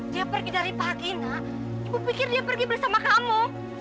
dia pergi dari pagi nak ibu pikir dia pergi bersama kamu